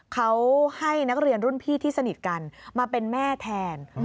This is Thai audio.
เขาให้นักเรียนรุ่นพี่ที่สนิทกันมาเป็นแม่แทน